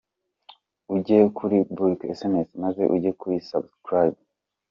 com ujye kuri bulk sms, maze ujye kuri subscribe.